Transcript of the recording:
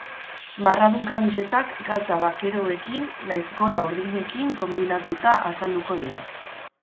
Marradun kamisetak galtza bakeroekin nahiz gona urdinekin konbinatuta azalduko dira.